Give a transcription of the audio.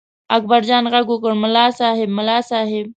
اکبرجان غږ وکړ: ملک صاحب، ملک صاحب!